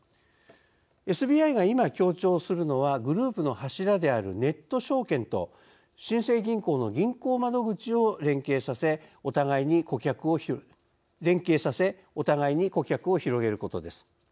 ＳＢＩが今、強調するのはグループの柱である「ネット証券」と新生銀行の窓口を連携させお互いに顧客を広げることです。